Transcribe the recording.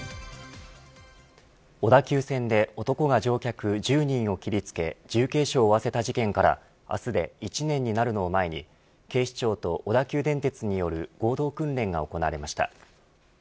小田急線で男が乗客１０人を切りつけ重軽傷を負わせた事件から明日で１年になるのを前に警視庁と小田急電鉄による合同訓練が行われました。